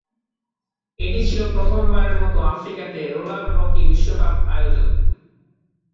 এটি ছিল প্রথমবারের মতো আফ্রিকাতে রোলার হকি বিশ্বকাপ আয়োজন।